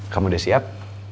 kamu udah siap